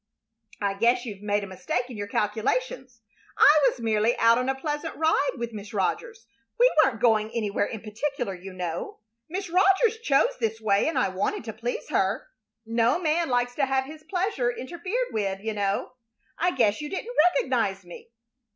I guess you've made a mistake in your calculations. I was merely out on a pleasure ride with Miss Rogers. We weren't going anywhere in particular, you know. Miss Rogers chose this way, and I wanted to please her. No man likes to have his pleasure interfered with, you know. I guess you didn't recognize me?"